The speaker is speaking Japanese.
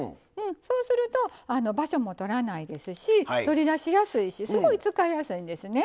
そうすると場所も取らないですし取り出しやすいしすごい使いやすいんですね。